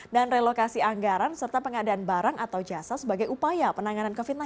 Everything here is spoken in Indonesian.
relokasi anggaran serta pengadaan barang atau jasa sebagai upaya penanganan covid sembilan belas